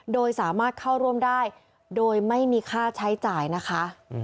โดยสามารถเข้าร่วมได้โดยไม่มีค่าใช้จ่ายนะคะ